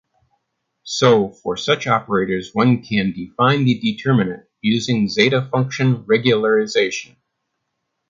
So for such operators one can define the determinant using zeta function regularization.